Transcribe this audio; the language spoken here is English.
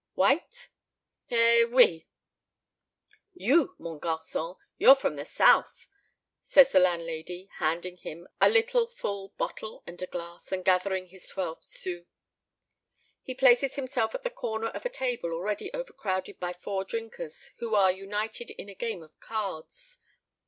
"White?" "Eh, oui." "You, mon garcon, you're from the South," says the landlady, handing him a little full bottle and a glass, and gathering his twelve sous. He places himself at the corner of a table already overcrowded by four drinkers who are united in a game of cards.